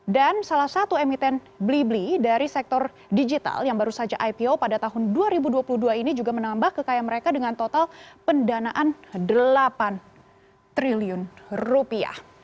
dan salah satu emiten blibli dari sektor digital yang baru saja ipo pada tahun dua ribu dua puluh dua ini juga menambah kekayaan mereka dengan total pendanaan delapan triliun rupiah